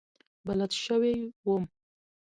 بلد شوی وم.